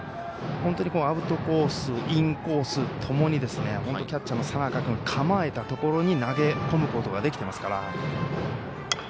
アウトコースインコースともにキャッチャーの佐仲君が構えたところに投げ込むことができていますから。